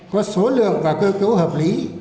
có số lượng và cơ cấu hợp lý